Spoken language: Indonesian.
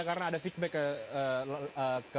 karena ada feedback ke